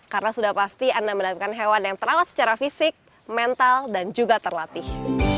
karena sudah pasti anda mendatangkan hewan yang terawat secara fisik mental dan juga terlatih